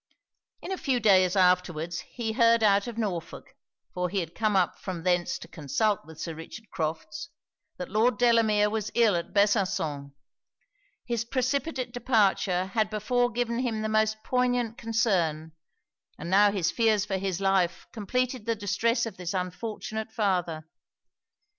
In a few days afterwards he heard out of Norfolk, (for he had come up from thence to consult with Sir Richard Crofts) that Lord Delamere was ill at Besançon. His precipitate departure had before given him the most poignant concern; and now his fears for his life completed the distress of this unfortunate father.